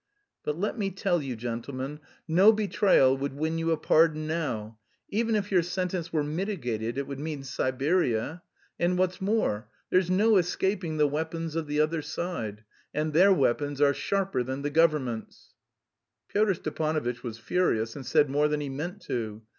But let me tell you, gentlemen, no betrayal would win you a pardon now. Even if your sentence were mitigated it would mean Siberia; and, what's more, there's no escaping the weapons of the other side and their weapons are sharper than the government's." Pyotr Stepanovitch was furious and said more than he meant to.